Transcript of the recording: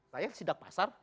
saya siddak pasar